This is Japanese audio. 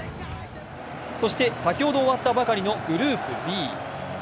そして、先ほど終わったばかりのグループＢ。